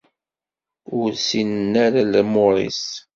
Ur ssinen ara lumuṛ-is.